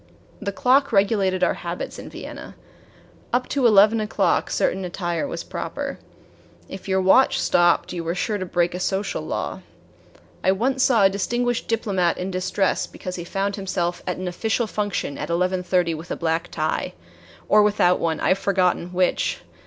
The clock regulated our habits in Vienna. Up to eleven o'clock certain attire was proper. If your watch stopped you were sure to break a social law. I once saw a distinguished diplomat in distress because he found himself at an official function at eleven thirty with a black tie or without one, I have forgotten which!